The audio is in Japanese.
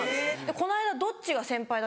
この間「どっちが先輩だ？